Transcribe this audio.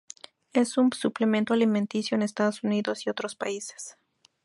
Es un suplemento alimenticio en Estados Unidos y otros países.